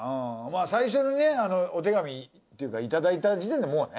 最初にねお手紙っていうかいただいた時点でもうね。